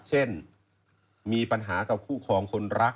เช่นมีปัญหากับคู่ครองคนรัก